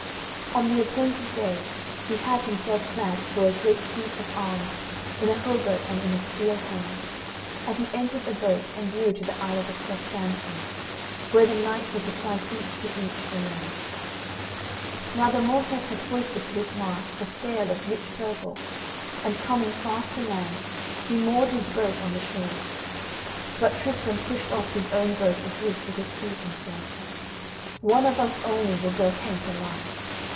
On the appointed day he had himself clad for a great feat of arms in a hauberk and in a steel helm, and he entered a boat and drew to the islet of St. Samson's, where the knights were to fight each to each alone. Now the Morholt had hoisted to his mast a sail of rich purple, and coming fast to land, he moored his boat on the shore. But Tristan pushed off his own boat adrift with his feet, and said: "One of us only will go hence alive.